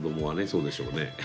そうでしょうね。